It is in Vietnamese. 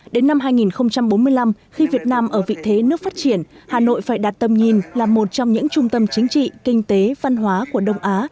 đến năm hai nghìn bốn mươi năm khi việt nam ở vị thế nước phát triển hà nội phải đặt tầm nhìn là một trong những trung tâm chính trị kinh tế văn hóa của đông á